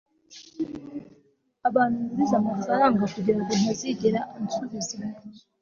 abantu nguriza amafaranga kugirango ntazigera ansubiza